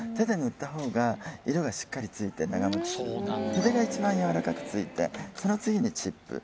筆が一番柔らかくついてその次にチップ。